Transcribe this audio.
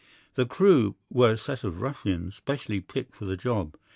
The crew were a set of ruffians, specially picked for the job.